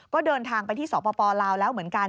ก็เดินทางไปที่สปลาวแล้วเหมือนกัน